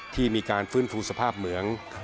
ที่มีการฟื้นฟูสภาพเหมือง